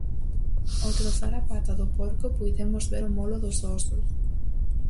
Ao tronzar a pata do porco, puidemos ver o molo dos ósos.